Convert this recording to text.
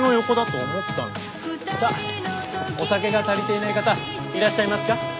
さあお酒が足りていない方いらっしゃいますか？